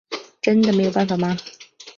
真的没有办法吗？